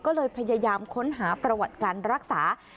ก็เลยพยายามค้นหาประวัติการรักษา